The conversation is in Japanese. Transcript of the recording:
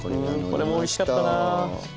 これもおいしかったな。